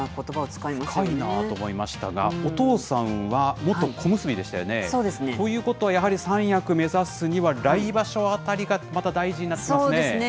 深いなと思いましたが、お父さんは元小結でしたよね。ということはやはり、三役目指すには来場所あたりがまた大事になそうですね。